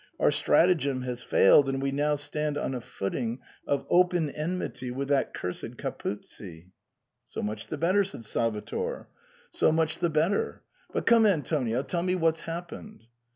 Our stratagem has failed, and we now stand on a footing of open enmity with that cursed Capuzzi." " So much the better," said Salvator ;so much 114 SIGNOR FORMICA. the better. But come, Antonio, tell me what's hap pened."